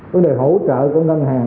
vấn đề hỗ trợ của ngân hàng